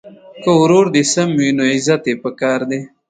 که ورور دي سم وي نو عزت یې په کار دی.